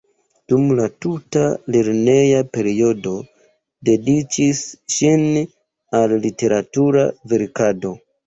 Dum la tuta lerneja periodo dediĉis sin al literatura verkado.